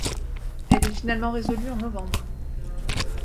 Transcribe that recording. Elle est finalement résolue en novembre.